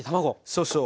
そうそう。